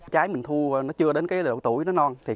trái mình thu chưa đến độ tuổi non